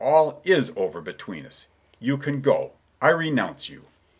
All is over between us. You can go! I renounce you!"